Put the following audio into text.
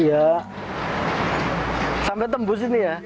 iya sampai tembus ini ya